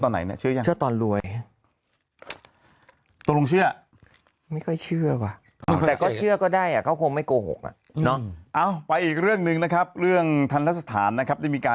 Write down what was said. ตัวลงเชื่อตอนไหนเนี่ยเชื่อยัง